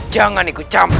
jangan ikut campur